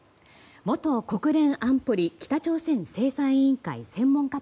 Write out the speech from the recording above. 元国連安保理北朝鮮制裁委員会専門家